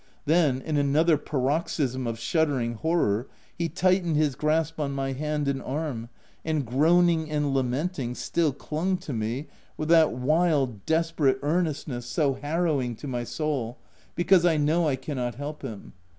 Then, in another paroxysm of shuddering hor ror, he tightened his grasp on my hand and arm, and groaning and lamenting, still clung to me with that wild, desperate earnestness so 248 THE TENANT harrowing to my soul, because I know I cannot help him.